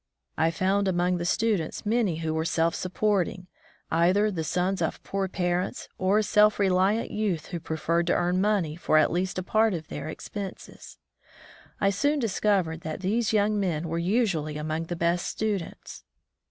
I found among the students many who were self supporting, either the sons of poor parents, or self reliant youth who preferred to earn money for at least a part of their expenses. I soon discovered that these young men were usually among the best students.